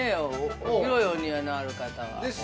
広いお庭のある方は。